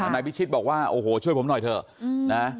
นายพิชิตบอกว่าโอ้โหช่วยผมหน่อยเถอะนะ